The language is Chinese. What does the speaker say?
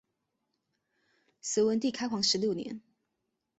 隋文帝开皇十六年。